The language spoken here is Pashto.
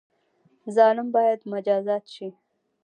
ظالم باید مجازات شي